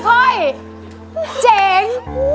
ค่อยเจ๋ง